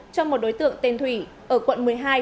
cho một đối tượng tên thủy ở quận một mươi hai